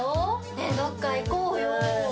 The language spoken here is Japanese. ねぇどっか行こうよ！